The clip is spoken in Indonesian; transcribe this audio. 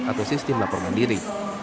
atau sistem laporan diri